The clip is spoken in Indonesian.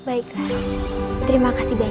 baiklah terima kasih banyak